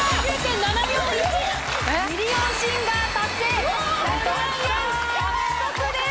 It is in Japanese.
『ミリオンシンガー』達成１００万円獲得です！